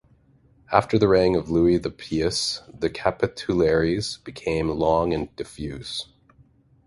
After the reign of Louis the Pious the capitularies became long and diffuse.